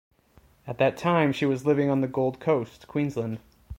At that time she was living on the Gold Coast, Queensland.